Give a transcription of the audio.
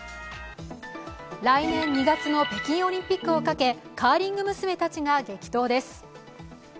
来年２月の北京オリンピックをかけカーリング娘たちが激闘です。